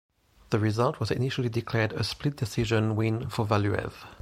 The result was initially declared a split decision win for Valuev.